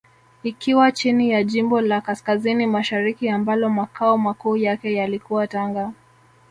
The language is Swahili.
Ikiwa chini ya jimbo la Kaskazini Mashariki ambalo Makao Makuu yake yalikuwa Tanga